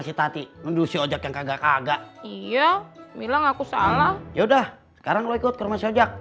si tati menurut siojak yang kagak kagak iya bilang aku salah ya udah sekarang lo ikut ke rumah siojak